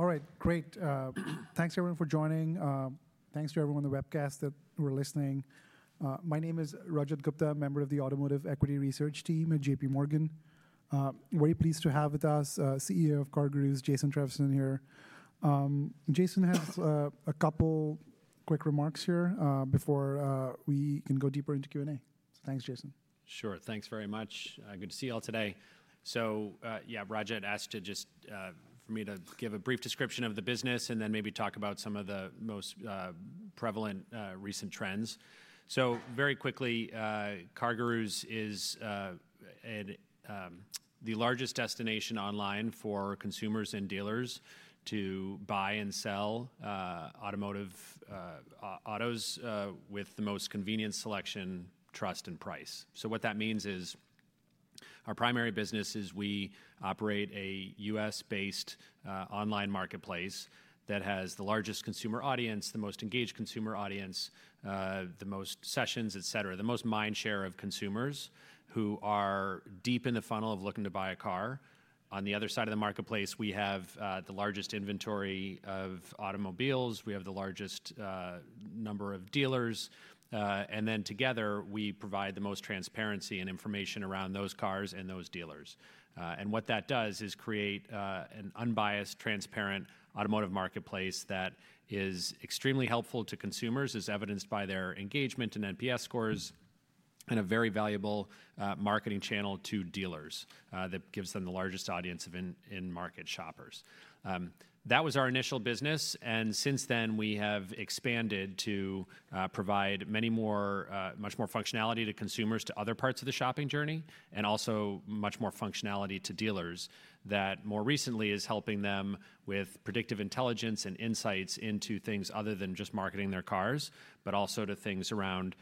All right, great. Thanks, everyone, for joining. Thanks to everyone on the webcast that were listening. My name is Rajat Gupta, member of the automotive equity research team at JPMorgan. Very pleased to have with us CEO of CarGurus, Jason Trevisan, here. Jason has a couple of quick remarks here before we can go deeper into Q&A. Thanks, Jason. Sure, thanks very much. Good to see you all today. Yeah, Rajat asked for me to give a brief description of the business and then maybe talk about some of the most prevalent recent trends. Very quickly, CarGurus is the largest destination online for consumers and dealers to buy and sell automotive autos with the most convenient selection, trust, and price. What that means is our primary business is we operate a U.S.-based online marketplace that has the largest consumer audience, the most engaged consumer audience, the most sessions, etx, the most mind share of consumers who are deep in the funnel of looking to buy a car. On the other side of the marketplace, we have the largest inventory of automobiles. We have the largest number of dealers. Together, we provide the most transparency and information around those cars and those dealers. What that does is create an unbiased, transparent automotive marketplace that is extremely helpful to consumers, as evidenced by their engagement and NPS scores, and a very valuable marketing channel to dealers that gives them the largest audience of in-market shoppers. That was our initial business. Since then, we have expanded to provide much more functionality to consumers to other parts of the shopping journey and also much more functionality to dealers that more recently is helping them with predictive intelligence and insights into things other than just marketing their cars, but also to things around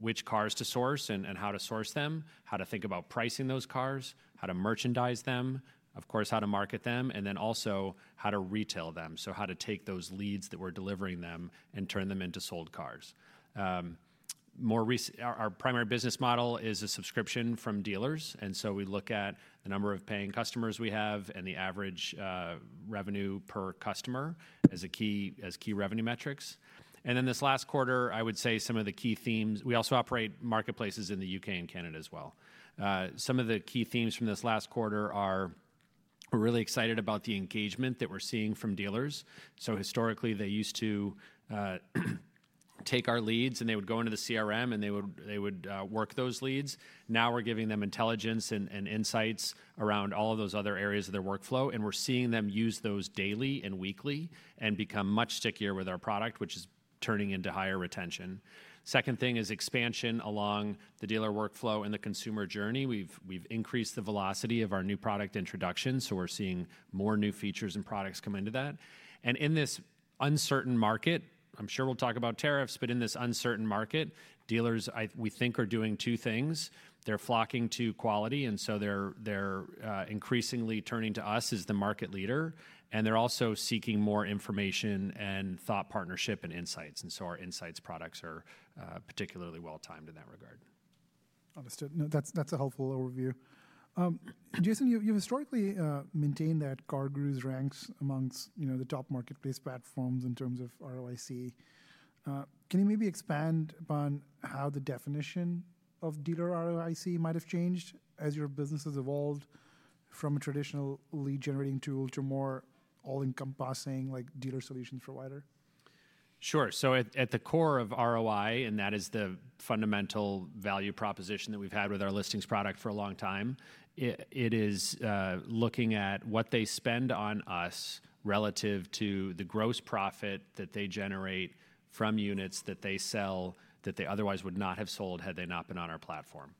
which cars to source and how to source them, how to think about pricing those cars, how to merchandise them, of course, how to market them, and then also how to retail them, so how to take those leads that we're delivering them and turn them into sold cars. Our primary business model is a subscription from dealers. We look at the number of paying customers we have and the average revenue per customer as key revenue metrics. This last quarter, I would say some of the key themes—we also operate marketplaces in the U.K. and Canada as well. Some of the key themes from this last quarter are we're really excited about the engagement that we're seeing from dealers. Historically, they used to take our leads, and they would go into the CRM, and they would work those leads. Now we're giving them intelligence and insights around all of those other areas of their workflow. We're seeing them use those daily and weekly and become much stickier with our product, which is turning into higher retention. The second thing is expansion along the dealer workflow and the consumer journey. We've increased the velocity of our new product introductions. We are seeing more new features and products come into that. In this uncertain market, I'm sure we'll talk about tariffs, but in this uncertain market, dealers, we think, are doing two things. They're flocking to quality. They are increasingly turning to us as the market leader. They are also seeking more information and thought partnership and insights. Our insights products are particularly well-timed in that regard. Understood. That's a helpful overview. Jason, you've historically maintained that CarGurus ranks amongst the top marketplace platforms in terms of ROIC. Can you maybe expand upon how the definition of dealer ROIC might have changed as your business has evolved from a traditionally generating tool to a more all-encompassing dealer solutions provider? Sure. At the core of ROI, and that is the fundamental value proposition that we've had with our listings product for a long time, it is looking at what they spend on us relative to the gross profit that they generate from units that they sell that they otherwise would not have sold had they not been on our platform.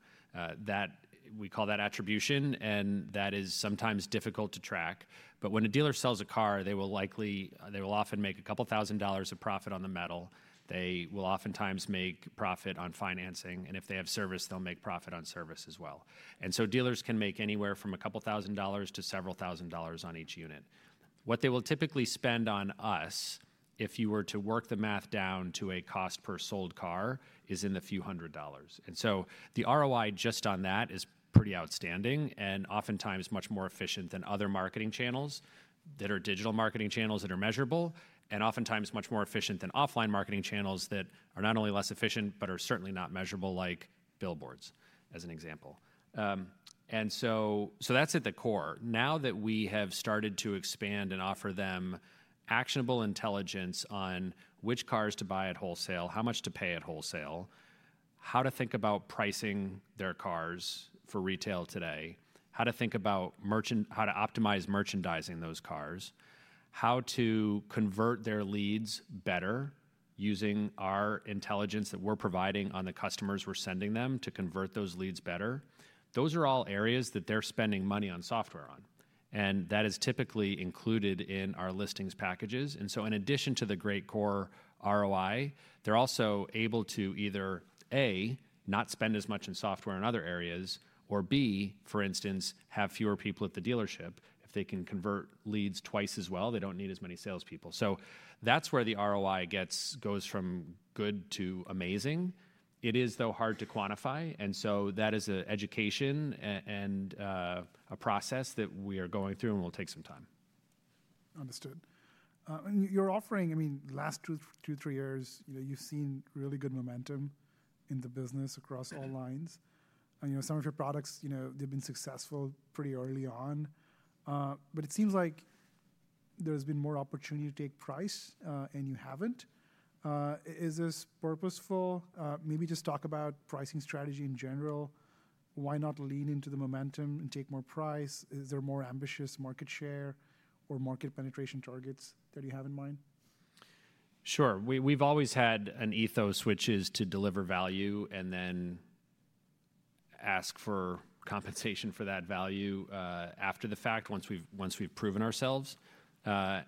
We call that attribution. That is sometimes difficult to track. When a dealer sells a car, they will likely, they will often make a couple of thousand dollars of profit on the metal. They will oftentimes make profit on financing. If they have service, they'll make profit on service as well. Dealers can make anywhere from a couple thousand dollars to several thousand dollars on each unit. What they will typically spend on us, if you were to work the math down to a cost per sold car, is in the few hundred dollars. The ROI just on that is pretty outstanding and oftentimes much more efficient than other marketing channels that are digital marketing channels that are measurable and oftentimes much more efficient than offline marketing channels that are not only less efficient but are certainly not measurable, like billboards, as an example. That is at the core. Now that we have started to expand and offer them actionable intelligence on which cars to buy at wholesale, how much to pay at wholesale, how to think about pricing their cars for retail today, how to think about how to optimize merchandising those cars, how to convert their leads better using our intelligence that we're providing on the customers we're sending them to convert those leads better, those are all areas that they're spending money on software on. That is typically included in our listings packages. In addition to the great core ROI, they're also able to either, A, not spend as much in software in other areas, or B, for instance, have fewer people at the dealership. If they can convert leads twice as well, they don't need as many salespeople. That's where the ROI goes from good to amazing. It is, though, hard to quantify. That is an education and a process that we are going through, and it will take some time. Understood. Your offering, I mean, the last two, three years, you've seen really good momentum in the business across all lines. Some of your products, they've been successful pretty early on. It seems like there has been more opportunity to take price, and you haven't. Is this purposeful? Maybe just talk about pricing strategy in general. Why not lean into the momentum and take more price? Is there more ambitious market share or market penetration targets that you have in mind? Sure. We've always had an ethos, which is to deliver value and then ask for compensation for that value after the fact once we've proven ourselves. Our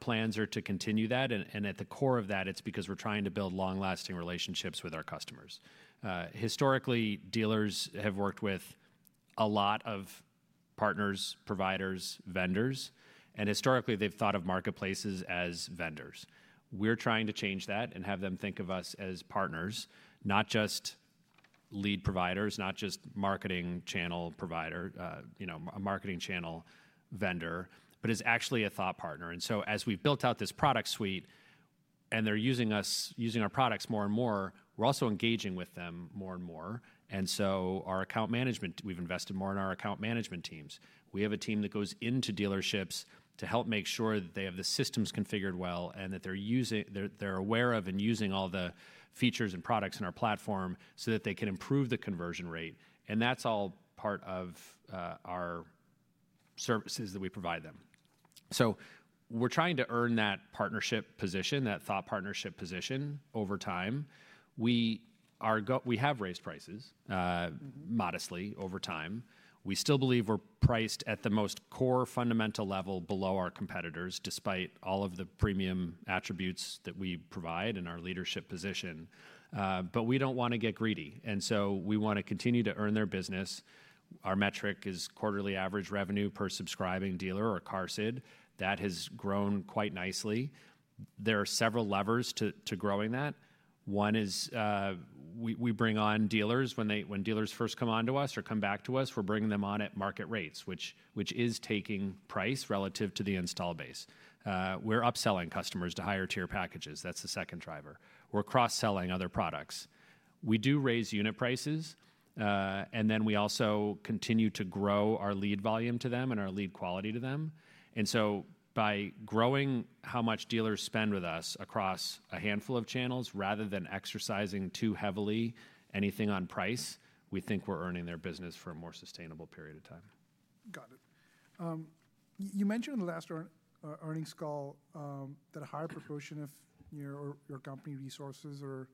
plans are to continue that. At the core of that, it's because we're trying to build long-lasting relationships with our customers. Historically, dealers have worked with a lot of partners, providers, vendors. Historically, they've thought of marketplaces as vendors. We're trying to change that and have them think of us as partners, not just lead providers, not just marketing channel vendor, but as actually a thought partner. As we've built out this product suite and they're using our products more and more, we're also engaging with them more and more. Our account management, we've invested more in our account management teams. We have a team that goes into dealerships to help make sure that they have the systems configured well and that they're aware of and using all the features and products in our platform so that they can improve the conversion rate. That is all part of our services that we provide them. We are trying to earn that partnership position, that thought partnership position over time. We have raised prices modestly over time. We still believe we're priced at the most core fundamental level below our competitors despite all of the premium attributes that we provide and our leadership position. We do not want to get greedy. We want to continue to earn their business. Our metric is quarterly average revenue per subscribing dealer or car SID. That has grown quite nicely. There are several levers to growing that. One is we bring on dealers. When dealers first come on to us or come back to us, we're bringing them on at market rates, which is taking price relative to the install base. We're upselling customers to higher-tier packages. That's the second driver. We're cross-selling other products. We do raise unit prices. We also continue to grow our lead volume to them and our lead quality to them. By growing how much dealers spend with us across a handful of channels rather than exercising too heavily anything on price, we think we're earning their business for a more sustainable period of time. Got it. You mentioned in the last earnings call that a higher proportion of your company resources are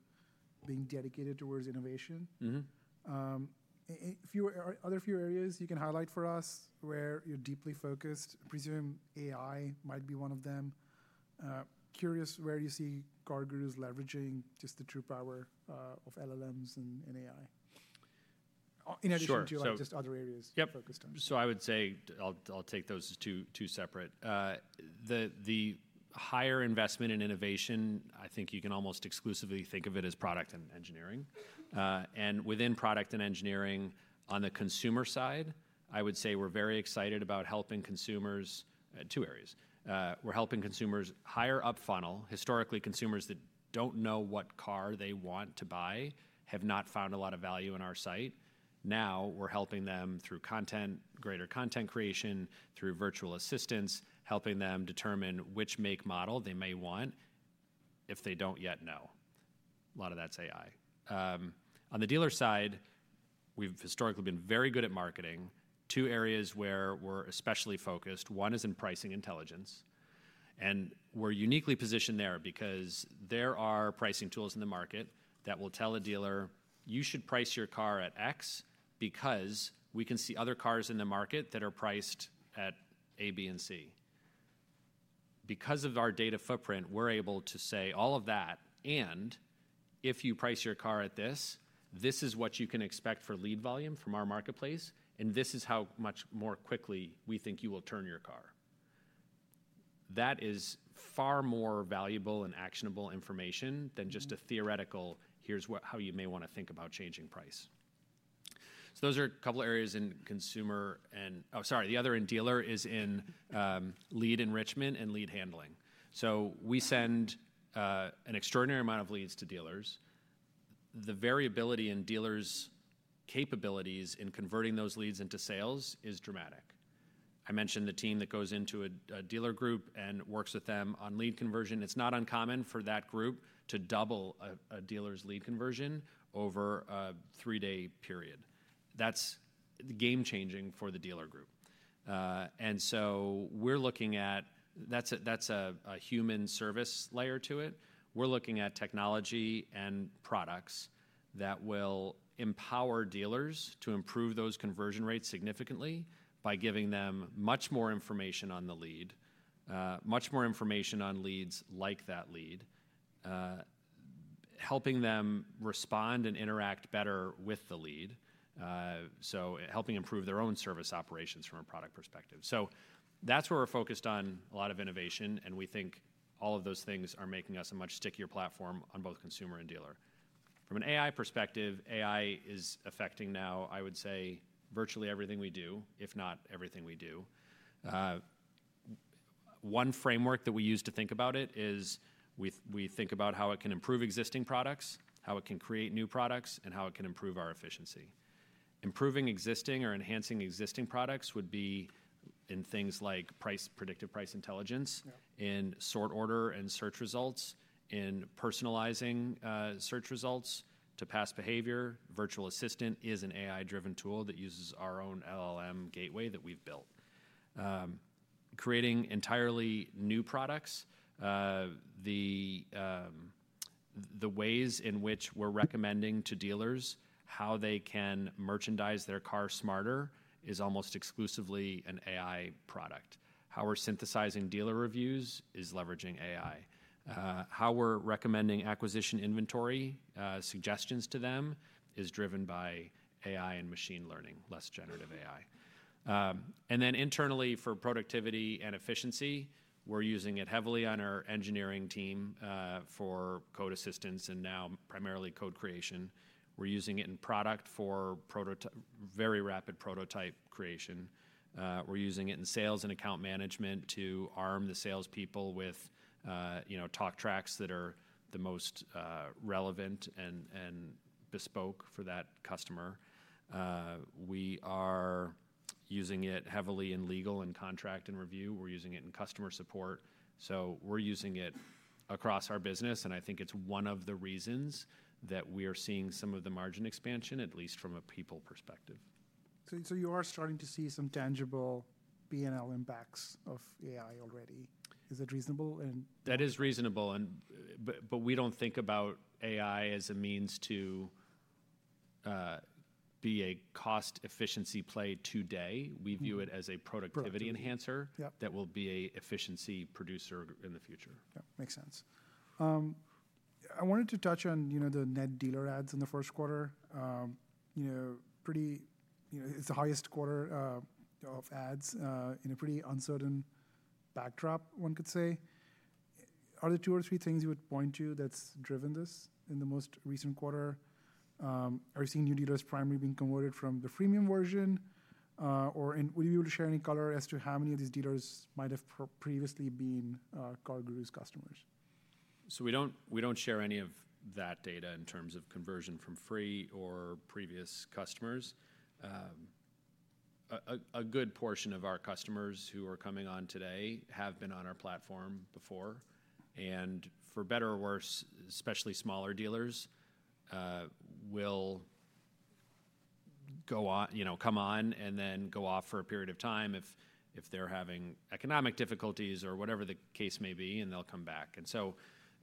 being dedicated towards innovation. Are there a few areas you can highlight for us where you're deeply focused? I presume AI might be one of them. Curious where you see CarGurus leveraging just the true power of LLMs and AI. In addition to just other areas you're focused on. I would say I'll take those as two separate. The higher investment in innovation, I think you can almost exclusively think of it as product and engineering. Within product and engineering, on the consumer side, I would say we're very excited about helping consumers in two areas. We're helping consumers higher up funnel. Historically, consumers that don't know what car they want to buy have not found a lot of value in our site. Now we're helping them through content, greater content creation, through virtual assistance, helping them determine which make model they may want if they don't yet know. A lot of that's AI. On the dealer side, we've historically been very good at marketing. Two areas where we're especially focused, one is in pricing intelligence. We are uniquely positioned there because there are pricing tools in the market that will tell a dealer, "You should price your car at X because we can see other cars in the market that are priced at A, B, and C." Because of our data footprint, we are able to say all of that. If you price your car at this, this is what you can expect for lead volume from our marketplace. This is how much more quickly we think you will turn your car. That is far more valuable and actionable information than just a theoretical, "Here is how you may want to think about changing price." Those are a couple of areas in consumer and oh, sorry, the other in dealer is in lead enrichment and lead handling. We send an extraordinary amount of leads to dealers. The variability in dealers' capabilities in converting those leads into sales is dramatic. I mentioned the team that goes into a dealer group and works with them on lead conversion. It's not uncommon for that group to double a dealer's lead conversion over a three-day period. That's game-changing for the dealer group. We are looking at that's a human service layer to it. We are looking at technology and products that will empower dealers to improve those conversion rates significantly by giving them much more information on the lead, much more information on leads like that lead, helping them respond and interact better with the lead, helping improve their own service operations from a product perspective. That's where we're focused on a lot of innovation. We think all of those things are making us a much stickier platform on both consumer and dealer. From an AI perspective, AI is affecting now, I would say, virtually everything we do, if not everything we do. One framework that we use to think about it is we think about how it can improve existing products, how it can create new products, and how it can improve our efficiency. Improving existing or enhancing existing products would be in things like predictive price intelligence in sort order and search results, in personalizing search results to past behavior. Virtual Assistant is an AI-driven tool that uses our own LLM gateway that we've built. Creating entirely new products. The ways in which we're recommending to dealers how they can merchandise their car smarter is almost exclusively an AI product. How we're synthesizing dealer reviews is leveraging AI. How we're recommending acquisition inventory suggestions to them is driven by AI and machine learning, less generative AI. Internally, for productivity and efficiency, we're using it heavily on our engineering team for code assistance and now primarily code creation. We're using it in product for very rapid prototype creation. We're using it in sales and account management to arm the salespeople with talk tracks that are the most relevant and bespoke for that customer. We are using it heavily in legal and contract and review. We're using it in customer support. We are using it across our business. I think it's one of the reasons that we are seeing some of the margin expansion, at least from a people perspective. You are starting to see some tangible BNL impacts of AI already. Is it reasonable? That is reasonable. We do not think about AI as a means to be a cost-efficiency play today. We view it as a productivity enhancer that will be an efficiency producer in the future. Makes sense. I wanted to touch on the net dealer ads in the first quarter. It's the highest quarter of ads, in a pretty uncertain backdrop, one could say. Are there two or three things you would point to that's driven this in the most recent quarter? Are you seeing new dealers primarily being converted from the freemium version? Or would you be able to share any color as to how many of these dealers might have previously been CarGurus customers? We do not share any of that data in terms of conversion from free or previous customers. A good portion of our customers who are coming on today have been on our platform before. For better or worse, especially smaller dealers will come on and then go off for a period of time if they are having economic difficulties or whatever the case may be, and they will come back.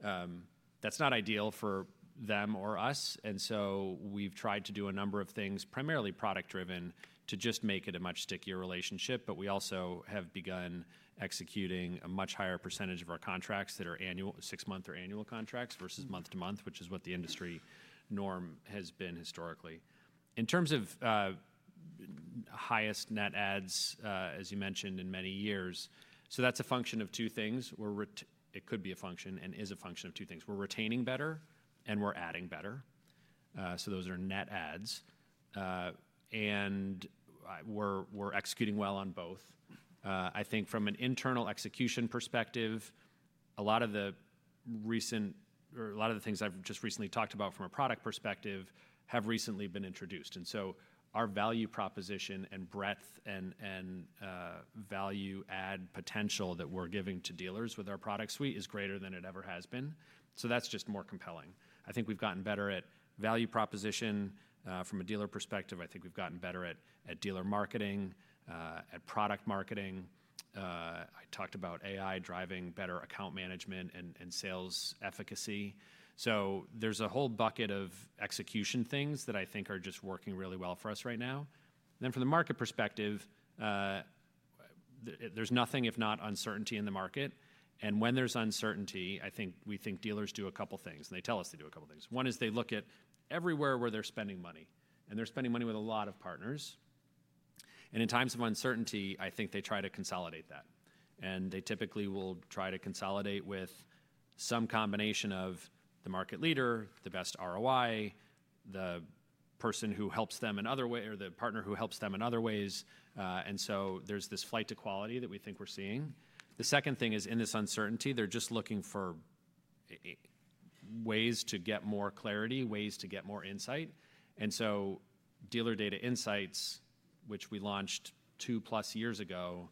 That is not ideal for them or us. We have tried to do a number of things, primarily product-driven, to just make it a much stickier relationship. We also have begun executing a much higher percentage of our contracts that are six-month or annual contracts versus month-to-month, which is what the industry norm has been historically. In terms of highest net ads, as you mentioned, in many years, that is a function of two things. It could be a function and is a function of two things. We're retaining better, and we're adding better. Those are net ads. We're executing well on both. I think from an internal execution perspective, a lot of the recent or a lot of the things I've just recently talked about from a product perspective have recently been introduced. Our value proposition and breadth and value-add potential that we're giving to dealers with our product suite is greater than it ever has been. That's just more compelling. I think we've gotten better at value proposition from a dealer perspective. I think we've gotten better at dealer marketing, at product marketing. I talked about AI driving better account management and sales efficacy. There's a whole bucket of execution things that I think are just working really well for us right now. From the market perspective, there's nothing if not uncertainty in the market. When there's uncertainty, I think we think dealers do a couple of things. They tell us they do a couple of things. One is they look at everywhere where they're spending money. They're spending money with a lot of partners. In times of uncertainty, I think they try to consolidate that. They typically will try to consolidate with some combination of the market leader, the best ROI, the person who helps them in other ways, or the partner who helps them in other ways. There's this flight to quality that we think we're seeing. The second thing is in this uncertainty, they're just looking for ways to get more clarity, ways to get more insight. Dealer data insights, which we launched 2+ years ago,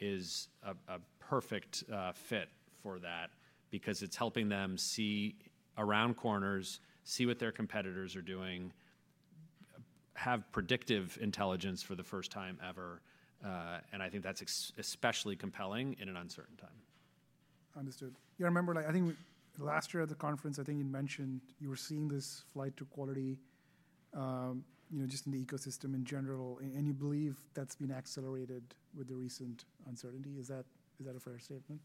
is a perfect fit for that because it's helping them see around corners, see what their competitors are doing, have predictive intelligence for the first time ever. I think that's especially compelling in an uncertain time. Understood. Yeah, remember, I think last year at the conference, I think you mentioned you were seeing this flight to quality just in the ecosystem in general. You believe that's been accelerated with the recent uncertainty. Is that a fair statement?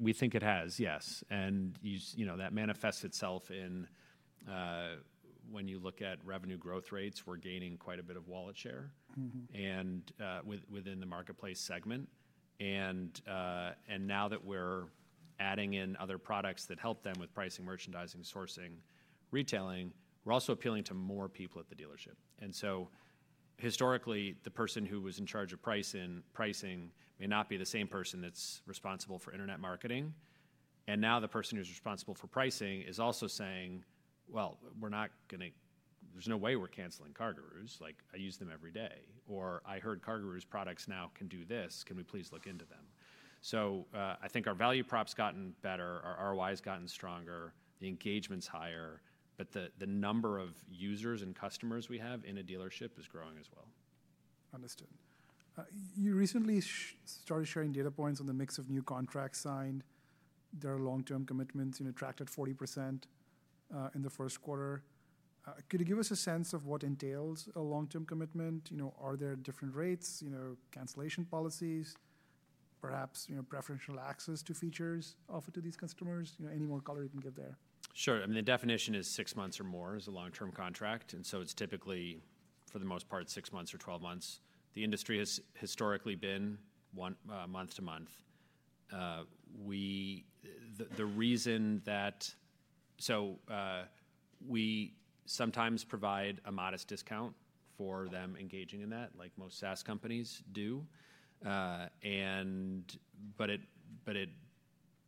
We think it has, yes. That manifests itself in when you look at revenue growth rates, we're gaining quite a bit of wallet share within the marketplace segment. Now that we're adding in other products that help them with pricing, merchandising, sourcing, retailing, we're also appealing to more people at the dealership. Historically, the person who was in charge of pricing may not be the same person that's responsible for internet marketing. Now the person who's responsible for pricing is also saying, "Well, there's no way we're canceling CarGurus. I use them every day." Or, "I heard CarGurus products now can do this. Can we please look into them?" I think our value prop's gotten better. Our ROI has gotten stronger. The engagement's higher. The number of users and customers we have in a dealership is growing as well. Understood. You recently started sharing data points on the mix of new contracts signed. There are long-term commitments tracked at 40% in the first quarter. Could you give us a sense of what entails a long-term commitment? Are there different rates, cancellation policies, perhaps preferential access to features offered to these customers? Any more color you can give there? Sure. I mean, the definition is six months or more is a long-term contract. It is typically, for the most part, six months or 12 months. The industry has historically been month-to-month. The reason that, so we sometimes provide a modest discount for them engaging in that, like most SaaS companies do. It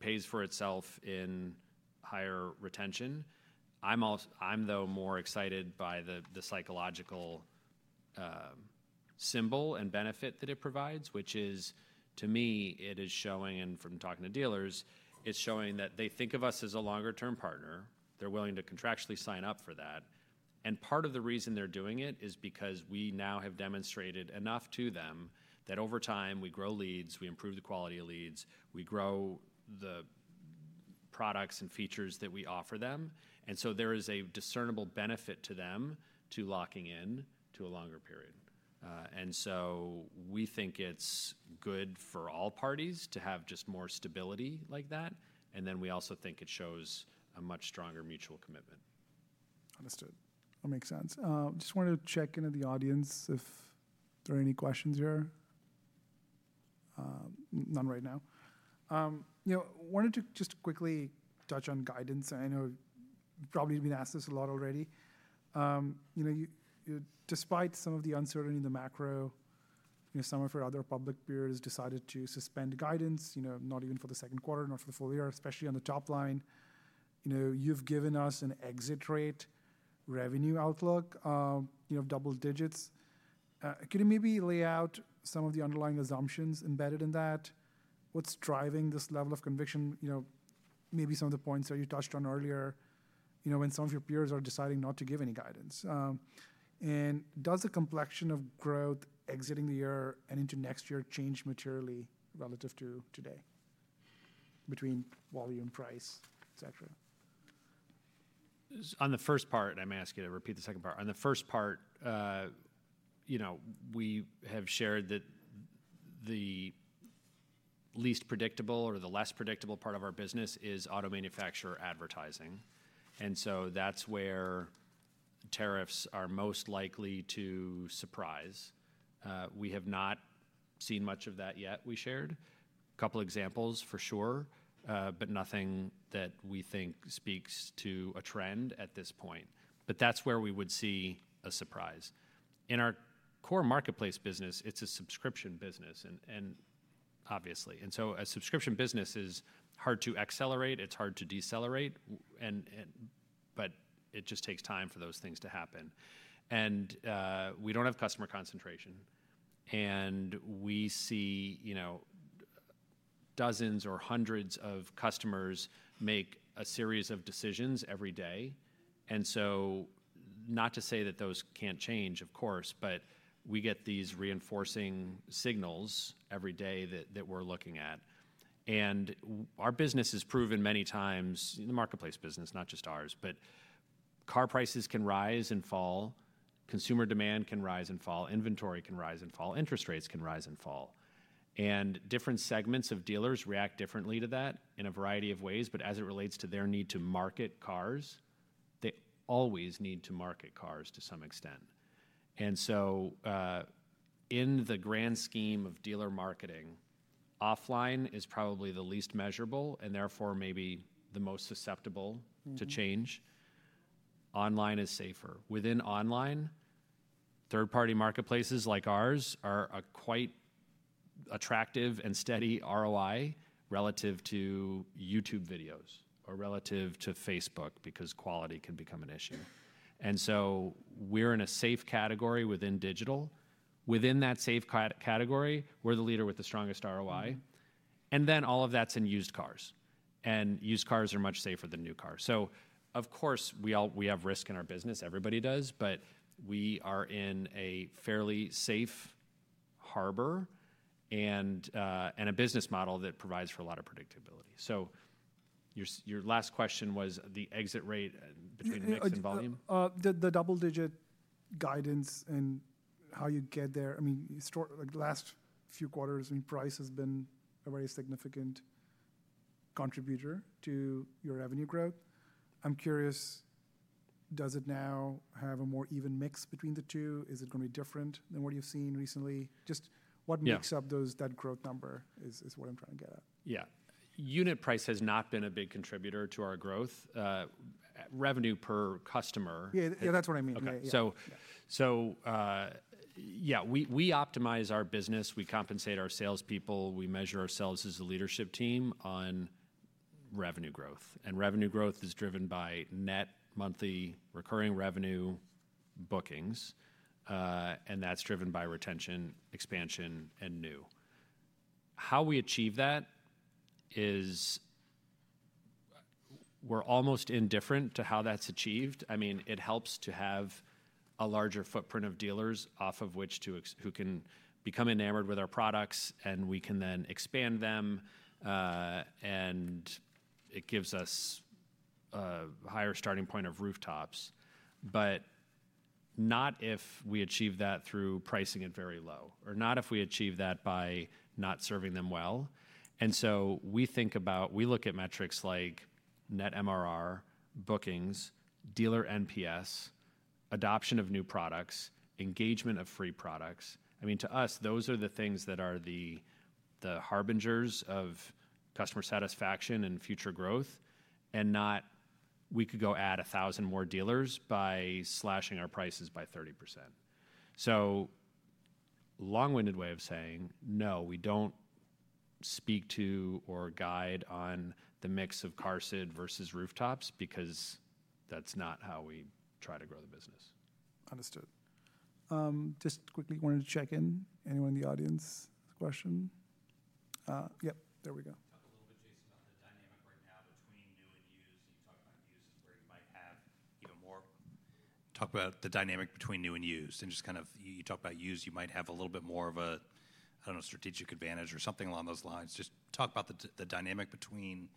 pays for itself in higher retention. I'm, though, more excited by the psychological symbol and benefit that it provides, which is, to me, it is showing and from talking to dealers, it is showing that they think of us as a longer-term partner. They're willing to contractually sign up for that. Part of the reason they're doing it is because we now have demonstrated enough to them that over time, we grow leads, we improve the quality of leads, we grow the products and features that we offer them. There is a discernible benefit to them to locking in to a longer period. We think it is good for all parties to have just more stability like that. We also think it shows a much stronger mutual commitment. Understood. That makes sense. Just wanted to check in with the audience if there are any questions here. None right now. I wanted to just quickly touch on guidance. I know you've probably been asked this a lot already. Despite some of the uncertainty in the macro, some of our other public peers decided to suspend guidance, not even for the second quarter, not for the full year, especially on the top line. You've given us an exit rate revenue outlook of double-digits. Could you maybe lay out some of the underlying assumptions embedded in that? What's driving this level of conviction? Maybe some of the points that you touched on earlier when some of your peers are deciding not to give any guidance. Does the complexion of growth exiting the year and into next year change materially relative to today between volume, price, etc.? On the first part, I'm asking to repeat the second part. On the first part, we have shared that the least predictable or the less predictable part of our business is auto manufacturer advertising. That is where tariffs are most likely to surprise. We have not seen much of that yet, we shared. A couple of examples for sure, but nothing that we think speaks to a trend at this point. That is where we would see a surprise. In our core marketplace business, it is a subscription business, obviously. A subscription business is hard to accelerate. It is hard to decelerate. It just takes time for those things to happen. We do not have customer concentration. We see dozens or hundreds of customers make a series of decisions every day. Not to say that those can't change, of course, but we get these reinforcing signals every day that we're looking at. Our business has proven many times in the marketplace business, not just ours, but car prices can rise and fall. Consumer demand can rise and fall. Inventory can rise and fall. Interest rates can rise and fall. Different segments of dealers react differently to that in a variety of ways. As it relates to their need to market cars, they always need to market cars to some extent. In the grand scheme of dealer marketing, offline is probably the least measurable and therefore maybe the most susceptible to change. Online is safer. Within online, third-party marketplaces like ours are a quite attractive and steady ROI relative to YouTube videos or relative to Facebook because quality can become an issue. We're in a safe category within digital. Within that safe category, we're the leader with the strongest ROI. All of that's in used cars. Used cars are much safer than new cars. Of course, we have risk in our business. Everybody does. We are in a fairly safe harbor and a business model that provides for a lot of predictability. Your last question was the exit rate between mix and volume? The double-digit guidance and how you get there. I mean, the last few quarters, I mean, price has been a very significant contributor to your revenue growth. I'm curious, does it now have a more even mix between the two? Is it going to be different than what you've seen recently? Just what makes up that growth number is what I'm trying to get at. Yeah. Unit price has not been a big contributor to our growth. Revenue per customer. Yeah, that's what I mean. Yeah, we optimize our business. We compensate our salespeople. We measure ourselves as a leadership team on revenue growth. Revenue growth is driven by net monthly recurring revenue bookings, and that's driven by retention, expansion, and new. How we achieve that is we're almost indifferent to how that's achieved. I mean, it helps to have a larger footprint of dealers who can become enamored with our products, and we can then expand them. It gives us a higher starting point of rooftops, but not if we achieve that through pricing it very low or not if we achieve that by not serving them well. We think about, we look at metrics like net MRR, bookings, dealer NPS, adoption of new products, engagement of free products. I mean, to us, those are the things that are the harbingers of customer satisfaction and future growth. Not we could go add 1,000 more dealers by slashing our prices by 30%. Long-winded way of saying, no, we do not speak to or guide on the mix of car side versus rooftops because that is not how we try to grow the business. Understood. Just quickly wanted to check in. Anyone in the audience? Question? Yep. There we go. Talk a little bit, Jason, about the dynamic right now between new and used. You talked about new is where you might have even more. Talk about the dynamic between new and used. Just kind of you talked about used, you might have a little bit more of a, I do not know, strategic advantage or something along those lines. Just talk about the dynamic between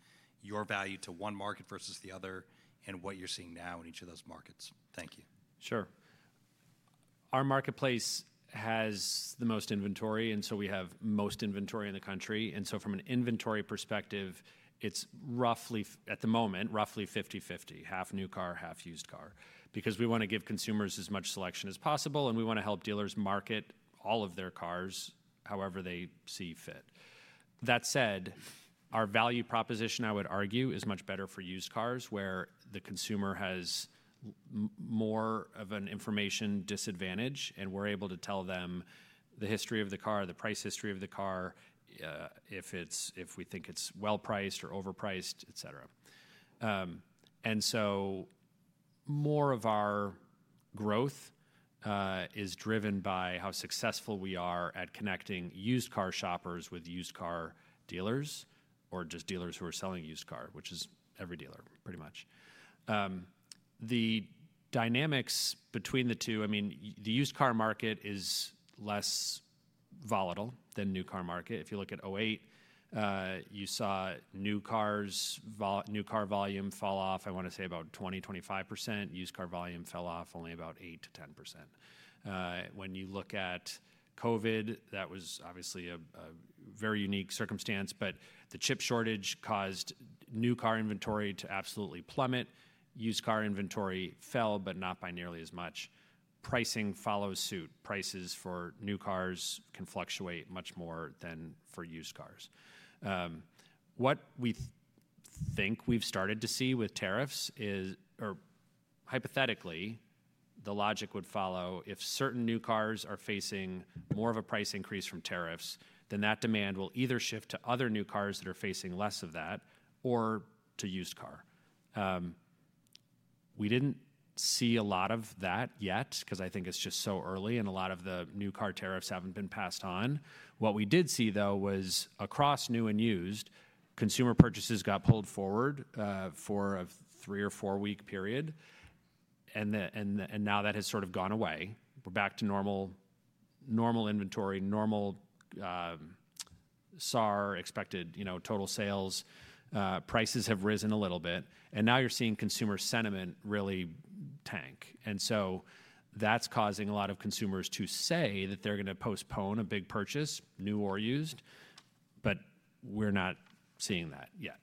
your value to one market versus the other and what you are seeing now in each of those markets. Thank you. Sure. Our marketplace has the most inventory. We have most inventory in the country. From an inventory perspective, it's roughly at the moment, roughly 50/50, half new car, half used car because we want to give consumers as much selection as possible. We want to help dealers market all of their cars however they see fit. That said, our value proposition, I would argue, is much better for used cars where the consumer has more of an information disadvantage. We're able to tell them the history of the car, the price history of the car, if we think it's well-priced or overpriced, etc. More of our growth is driven by how successful we are at connecting used car shoppers with used car dealers or just dealers who are selling used car, which is every dealer pretty much. The dynamics between the two, I mean, the used car market is less volatile than the new car market. If you look at 2008, you saw new car volume fall off, I want to say, about 20%-25%. Used car volume fell off only about 8%-10%. When you look at COVID, that was obviously a very unique circumstance. The chip shortage caused new car inventory to absolutely plummet. Used car inventory fell, but not by nearly as much. Pricing follows suit. Prices for new cars can fluctuate much more than for used cars. What we think we have started to see with tariffs is, or hypothetically, the logic would follow if certain new cars are facing more of a price increase from tariffs, then that demand will either shift to other new cars that are facing less of that or to used car. We didn't see a lot of that yet because I think it's just so early and a lot of the new car tariffs haven't been passed on. What we did see, though, was across new and used, consumer purchases got pulled forward for a three or four-week period. That has sort of gone away. We're back to normal inventory, normal SAAR, expected total sales. Prices have risen a little bit. Now you're seeing consumer sentiment really tank. That is causing a lot of consumers to say that they're going to postpone a big purchase, new or used. We're not seeing that yet.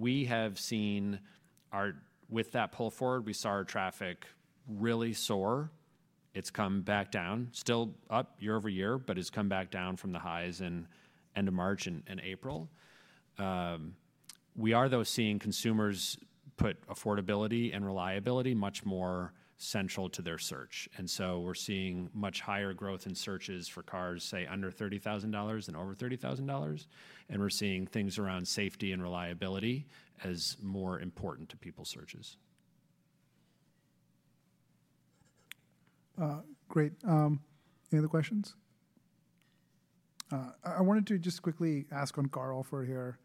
We have seen with that pull forward, we saw our traffic really soar. It's come back down. Still up year over year, but it's come back down from the highs in end of March and April. We are, though, seeing consumers put affordability and reliability much more central to their search. We are seeing much higher growth in searches for cars, say, under $30,000 and over $30,000. We are seeing things around safety and reliability as more important to people's searches. Great. Any other questions? I wanted to just quickly ask on CarOffer here.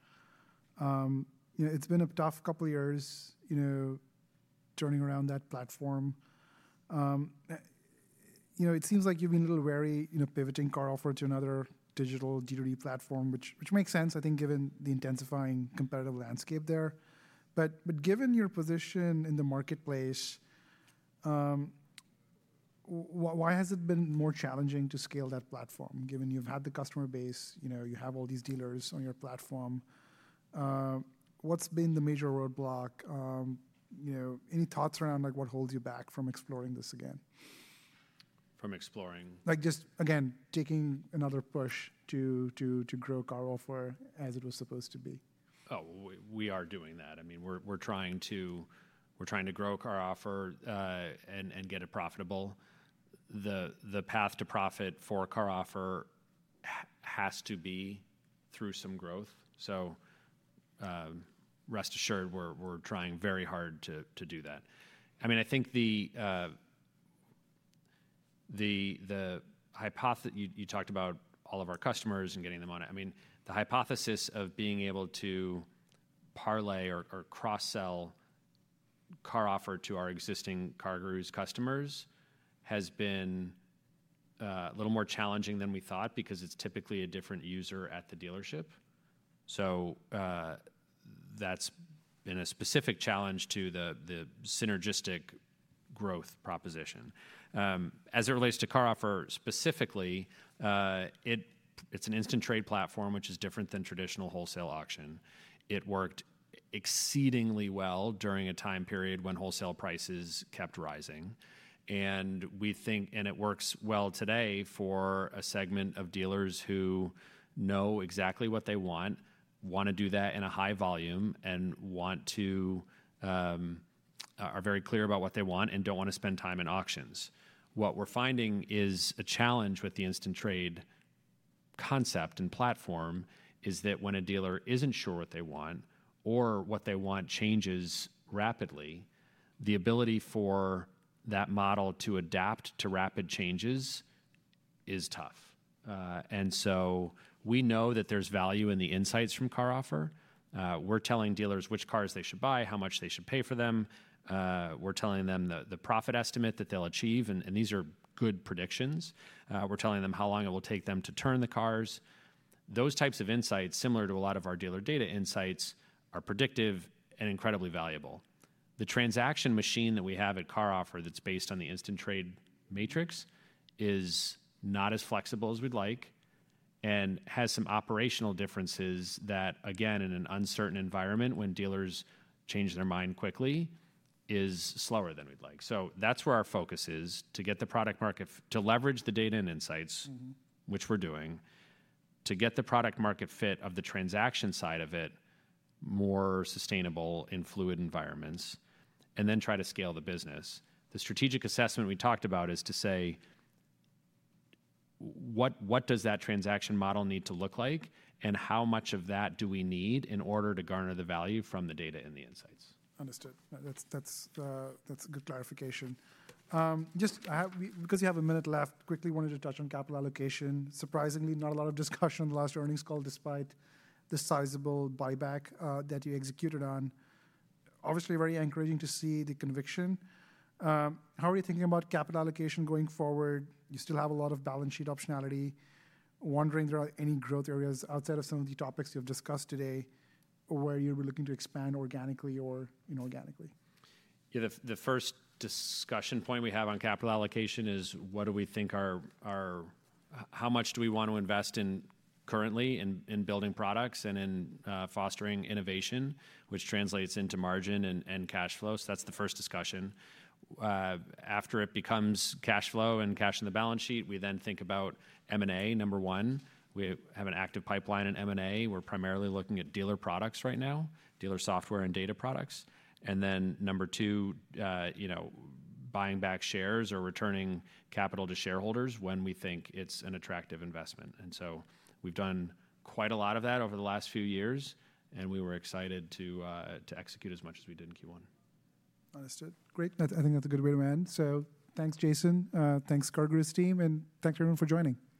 It's been a tough couple of years turning around that platform. It seems like you've been a little wary pivoting CarOffer to another digital D2D platform, which makes sense, I think, given the intensifying competitive landscape there. Given your position in the marketplace, why has it been more challenging to scale that platform given you've had the customer base, you have all these dealers on your platform? What's been the major roadblock? Any thoughts around what holds you back from exploring this again? From exploring? Just again, taking another push to grow CarOffer as it was supposed to be. Oh, we are doing that. I mean, we're trying to grow CarOffer and get it profitable. The path to profit for CarOffer has to be through some growth. Rest assured, we're trying very hard to do that. I mean, I think the hypothesis you talked about, all of our customers and getting them on it. I mean, the hypothesis of being able to parlay or cross-sell CarOffer to our existing CarGurus customers has been a little more challenging than we thought because it's typically a different user at the dealership. That's been a specific challenge to the synergistic growth proposition. As it relates to CarOffer specifically, it's an instant trade platform, which is different than traditional wholesale auction. It worked exceedingly well during a time period when wholesale prices kept rising. It works well today for a segment of dealers who know exactly what they want, want to do that in a high volume, and are very clear about what they want and do not want to spend time in auctions. What we are finding is a challenge with the instant trade concept and platform is that when a dealer is not sure what they want or what they want changes rapidly, the ability for that model to adapt to rapid changes is tough. We know that there is value in the insights from CarOffer. We are telling dealers which cars they should buy, how much they should pay for them. We are telling them the profit estimate that they will achieve. These are good predictions. We are telling them how long it will take them to turn the cars. Those types of insights, similar to a lot of our dealer data insights, are predictive and incredibly valuable. The transaction machine that we have at CarOffer that's based on the instant trade matrix is not as flexible as we'd like and has some operational differences that, again, in an uncertain environment when dealers change their mind quickly, is slower than we'd like. That is where our focus is to get the product market to leverage the data and insights, which we're doing, to get the product market fit of the transaction side of it more sustainable in fluid environments and then try to scale the business. The strategic assessment we talked about is to say, what does that transaction model need to look like and how much of that do we need in order to garner the value from the data and the insights? Understood. That's a good clarification. Just because you have a minute left, quickly wanted to touch on capital allocation. Surprisingly, not a lot of discussion on the last earnings call despite the sizable buyback that you executed on. Obviously, very encouraging to see the conviction. How are you thinking about capital allocation going forward? You still have a lot of balance sheet optionality. Wondering there are any growth areas outside of some of the topics you have discussed today where you're looking to expand organically or inorganically? Yeah. The first discussion point we have on capital allocation is what do we think, how much do we want to invest in currently in building products and in fostering innovation, which translates into margin and cash flow. That is the first discussion. After it becomes cash flow and cash in the balance sheet, we then think about M&A, number one. We have an active pipeline in M&A. We're primarily looking at dealer products right now, dealer software and data products. Number two, buying back shares or returning capital to shareholders when we think it's an attractive investment. We've done quite a lot of that over the last few years. We were excited to execute as much as we did in Q1. Understood. Great. I think that's a good way to end. Thanks, Jason. Thanks, CarGurus team. Thanks everyone for joining. Thank you.